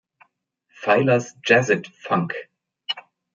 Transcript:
Pfeiler’s Jazzid-Funk“.